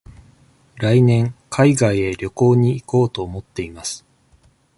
来年海外へ旅行に行こうと思っています。